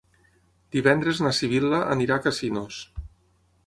Divendres na Sibil·la anirà a Casinos.